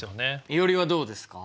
いおりはどうですか？